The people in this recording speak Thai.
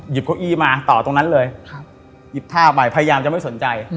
เก้าอี้มาต่อตรงนั้นเลยหยิบท่าไปพยายามจะไม่สนใจ